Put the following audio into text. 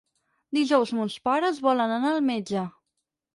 Dijous mons pares volen anar al metge.